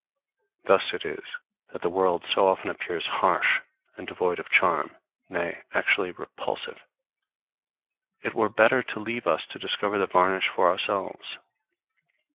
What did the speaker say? Thus it is that the world so often appears harsh and devoid of charm, nay, actually repulsive. It were better to leave us to discover the varnish for ourselves.